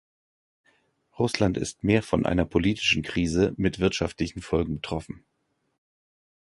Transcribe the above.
Russland ist mehr von einer politischen Krise mit wirtschaftlichen Folgen betroffen.